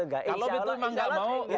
kalau itu memang nggak mau